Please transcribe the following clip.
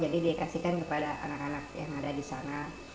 dikasihkan kepada anak anak yang ada di sana